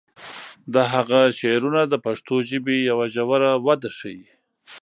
د هغه شعرونه د پښتو ژبې یوه ژوره وده ښیي.